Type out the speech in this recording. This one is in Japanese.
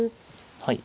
はい。